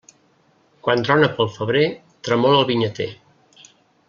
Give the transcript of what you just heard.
Quan trona pel febrer tremola el vinyater.